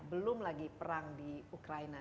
belum lagi perang di ukraina